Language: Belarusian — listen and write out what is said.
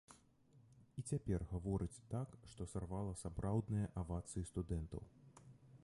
І цяпер гаворыць так, што сарвала сапраўдныя авацыі студэнтаў.